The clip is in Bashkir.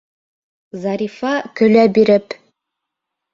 Зарифа, көлә биреп: